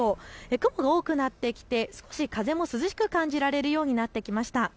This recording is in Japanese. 雲が多くなってきて少し風も涼しく感じられるようになってきました。